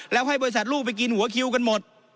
ด้วยสัตว์ลูกไปกินหัวคิวกันหมด